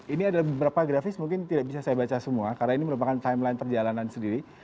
ini adalah beberapa grafis mungkin tidak bisa saya baca semua karena ini merupakan timeline perjalanan sendiri